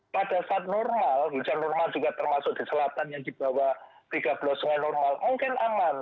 pada saat normal hujan normal juga termasuk di selatan yang di bawah tiga belas sungai normal mungkin aman